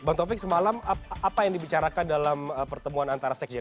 bang taufik semalam apa yang dibicarakan dalam pertemuan antara sekjen